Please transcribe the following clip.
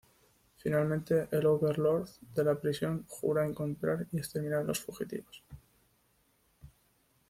Finalmente, el "Overlord" de la prisión jura encontrar y exterminar a los fugitivos.